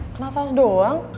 kena saus doang